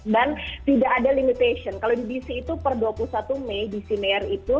dan tidak ada limitation kalau di dc itu per dua puluh satu mei dc mayor itu